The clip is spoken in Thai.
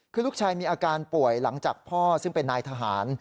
คือลูกชายมีอาการป่วยหลังจากพ่อซึ่งเป็นนายทหาร